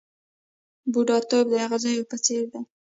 بوډاتوب د اغزیو په څېر دی .